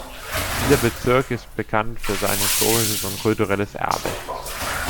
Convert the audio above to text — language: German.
Dieser Bezirk ist bekannt für sein historisches und kulturelles Erbe.